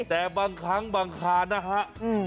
แต่บางครั้งบางทานนะครับ